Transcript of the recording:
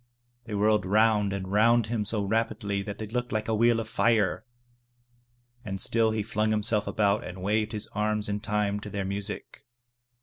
They whirled round and round him so rapidly that they looked like a wheel of fire. And still he flung "himself about and waved his arms in time to their music.